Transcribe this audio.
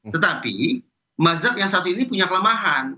tetapi mazhab yang satu ini punya kelemahan